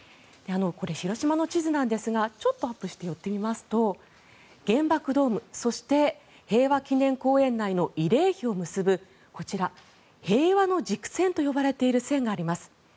これ、広島の地図なんですがちょっとアップして寄ってみますと原爆ドーム、そして平和記念公園内の慰霊碑を結ぶこちら、平和の軸線と呼ばれている線があります。